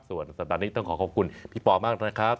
ส่วนสัปดาห์นี้ต้องขอขอบคุณพี่ปอมากนะครับ